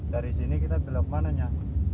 dari sini kita belum kemananya